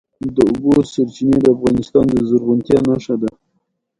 د اوبو سرچینې د افغانستان د زرغونتیا نښه ده.